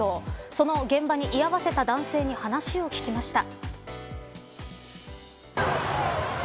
その現場に居合わせた男性に話を聞きました。